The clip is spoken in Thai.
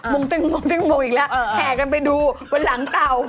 มุ่งตึงหรือมุ่งอีกแล้วแห่กันไปดูบนหลังเต่า